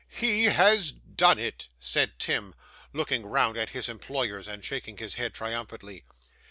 'He has done it!' said Tim, looking round at his employers and shaking his head triumphantly.